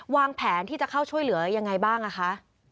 วางแผนที่จะเข้าช่วยเหลือยังไงบ้างคะ